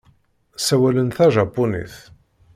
Ssawalen tajapunit.